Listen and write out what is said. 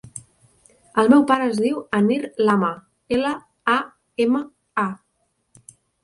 El meu pare es diu Anir Lama: ela, a, ema, a.